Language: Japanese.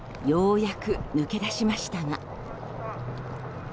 ようやく抜け出しましたが。